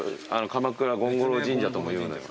鎌倉権五郎神社ともいうのよ。